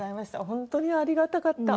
本当にありがたかった。